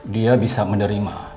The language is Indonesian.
dia bisa menerima